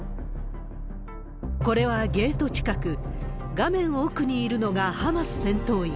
これはゲート近く、画面奥にいるのがハマス戦闘員。